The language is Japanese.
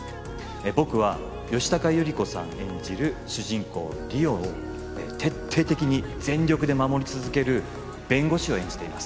僕は吉高由里子さん演じる主人公梨央を徹底的に全力で守り続ける弁護士を演じています